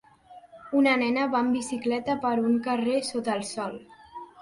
Una nena va en bicicleta per un carrer sota el sol.